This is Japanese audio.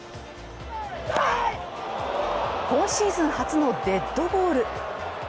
今シーズン初のデッドボール。